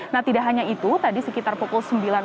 nah tidak hanya itu tadi sekitar pukul sembilan tiga puluh